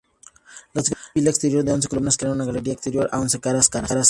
La segunda fila exterior, de once columnas crea una galería exterior de once caras.